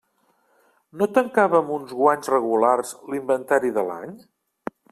No tancava amb uns guanys regulars l'inventari de l'any?